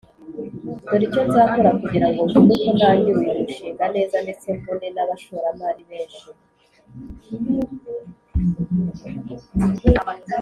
Dore icyo nzakora kugira ngo mbone uko ntangira uyu mushinga neza ndetse mbone nabashoramari benshi.